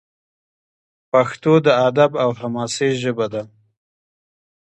پښتو د ادب او حماسې ژبه ده.